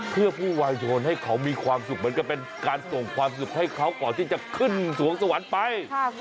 เพื่อผู้วายชนให้เขามีความสุขเหมือนกับเป็นการส่งความสุขให้เขาก่อนที่จะขึ้นสวงสวรรค์ไป